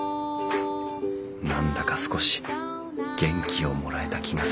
何だか少し元気をもらえた気がする